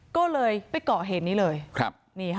ก็เลยไปเกาะเหตุนี้เลย